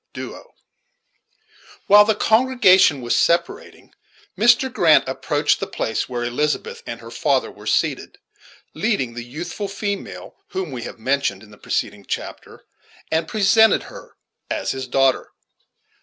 Duo. While the congregation was separating, Mr. Grant approached the place where Elizabeth and her father were seated, leading the youthful female whom we have mentioned in the preceding chapter, and presented her as his daughter.